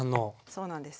そうなんです。